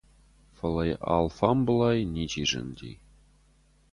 Фӕлӕ йӕ алфамбылай ничи зынди.